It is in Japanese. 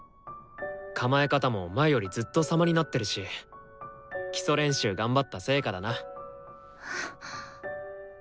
構え方も前よりずっとさまになってるし基礎練習頑張った成果だな。